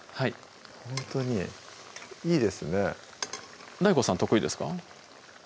ほんとにいいですねＤＡＩＧＯさん得意ですか？